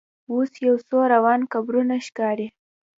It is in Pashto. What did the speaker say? اوس یو څو وران قبرونه ښکاري.